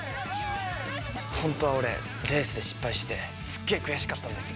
本当は俺レースで失敗してすっげえ悔しかったんです。